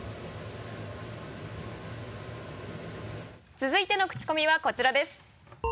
続いてのクチコミはこちらです。